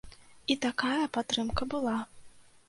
І такая падтрымка была.